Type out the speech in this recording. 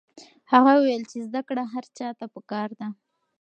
هغه وویل چې زده کړه هر چا ته پکار ده.